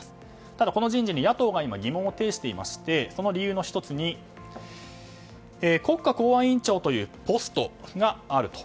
ただ、この人事に野党が疑問を呈していましてその理由の１つに国家公安委員長というポストがあると。